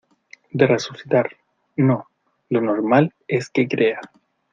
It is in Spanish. de resucitar. no . lo normal es que crea